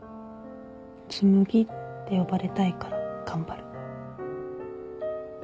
紬って呼ばれたいから頑張る。